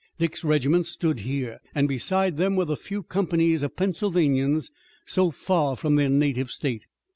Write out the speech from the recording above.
Dick's regiment stood here, and beside them were the few companies of Pennsylvanians so far from their native state.